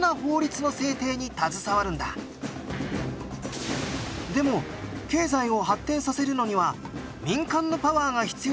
でも経済を発展させるのには民間のパワーが必要だと気づき。